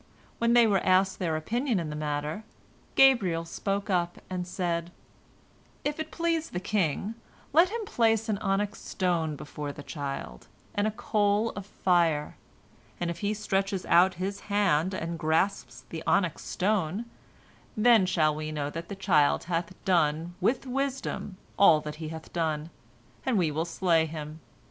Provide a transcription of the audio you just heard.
When they were asked their opinion in the matter, Gabriel spoke up, and said: "If it please the king, let him place an onyx stone before the child, and a coal of fire, and if he stretches out his hand and grasps the onyx stone, then shall we know that the child hath done with wisdom all that he bath done, and we will slay him.